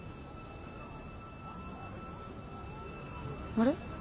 あれ？